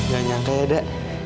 gak nyangka ya da